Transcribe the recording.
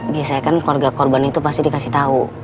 biasanya kan keluarga korban itu pasti dikasih tahu